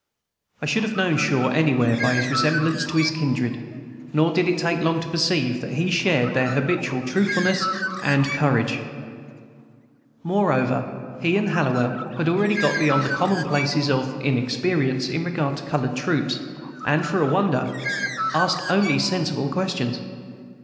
I should have known Shaw anywhere by his resemblance to his kindred, nor did it take long to perceive that he shared their habitual truthfulness and courage. Moreover, he and Hallowell had already got beyond the commonplaces of inexperience, in regard to colored troops, and, for a wonder, asked only sensible questions.